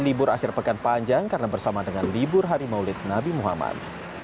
libur akhir pekan panjang karena bersama dengan libur hari maulid nabi muhammad